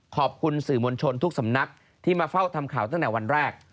ขอบคุณสื่อมวลชนทุกสำนักที่มาเฝ้าทำข่าวตั้งแต่วันแรก